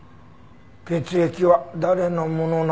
血液は誰のものなのか？